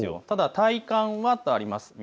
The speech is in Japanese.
ただ、体感はとあります。